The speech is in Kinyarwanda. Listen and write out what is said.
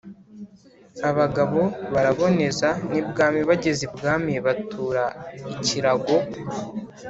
Abgabo Baraboneza n' ibwami Bageze ibwami, batura ikirago